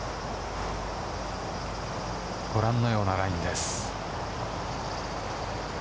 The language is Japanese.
ご覧のようなラインです。